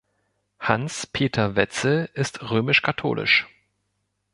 Hans-Peter Wetzel ist römisch-katholisch.